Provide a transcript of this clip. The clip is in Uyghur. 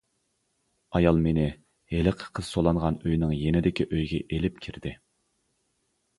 ئايال مېنى ھېلىقى قىز سولانغان ئۆينىڭ يېنىدىكى ئۆيگە ئېلىپ كىردى.